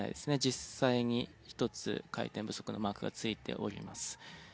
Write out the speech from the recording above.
実際に１つ回転不足のマークが付いております。